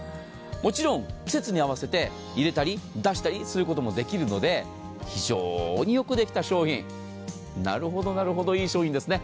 もちろん季節に合わせて入れたり出したりすることもできるので、非常によくできた商品、なるほど、なるほど、いい商品ですね。